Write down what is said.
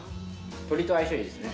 鶏と相性いいですね。